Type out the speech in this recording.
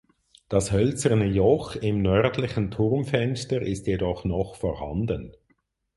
Das hölzerne Joch im nördlichen Turmfenster ist jedoch noch vorhanden.